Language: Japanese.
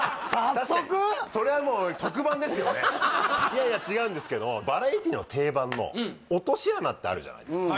確かにそれはもう特番ですよねいやいや違うんですけどバラエティの定番の落とし穴ってあるじゃないですか